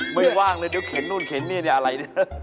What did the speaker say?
ไม่ว่างเลยเดี๋ยวเข็นนู่นเข็นนี่เนี่ยอะไรเนี่ย